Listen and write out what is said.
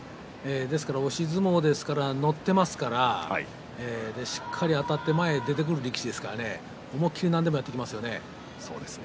押し相撲で乗っていますからしっかりあたって前に出てくる力士ですから思い切り何でもやっていきますよね。